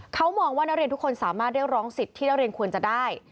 เขามองว่านักเรียนทุกคนสามารถเรียกร้องสิทธิ์ที่นักเรียนควรจะได้